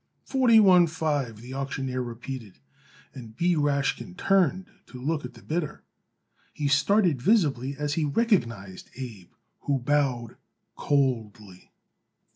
"Forty one five," the auctioneer repeated, and B. Rashkin turned to look at the bidder. He started visibly as he recognized Abe, who bowed coldly.